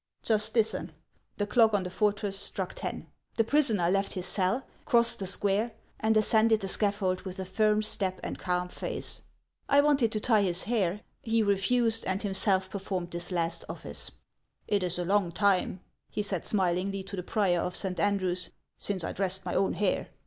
Just listen ! The clock on the fortress struck ten. The prisoner left his cell, crossed the square, and ascended the scaffold with a firm step and calm face. I wanted to tie his hair ; he refused, and himself performed this last office. ' It 's a long time,' he said smilingly to the prior of St. An drew's, ' since I dressed my own hair.'